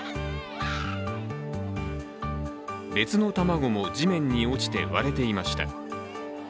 別の卵も地面に落ちて割れていました。